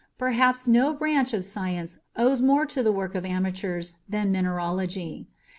Perhaps no branch of science owes more to the work of amateurs than mineralogy.